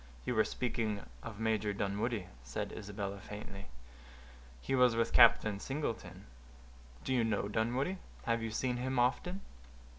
"You were speaking of Major Dunwoodie," said Isabella, faintly. "He was with Captain Singleton." "Do you know Dunwoodie? Have you seen him often?"